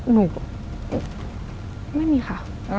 หนูไม่มีค่ะ